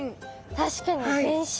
確かに全身。